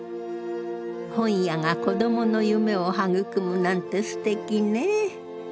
本屋が子どもの夢を育むなんてすてきねぇ。